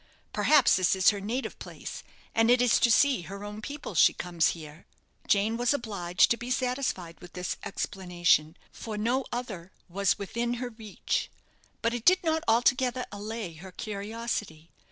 Perhaps this is her native place, and it is to see her own people she comes here." Jane was obliged to be satisfied with this explanation, for no other was within her reach; but it did not altogether allay her curiosity.